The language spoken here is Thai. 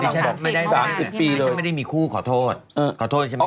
พี่บ๊ายฉันไม่ได้มีคู่ขอโทษ